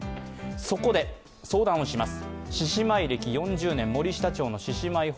そこで相談をします。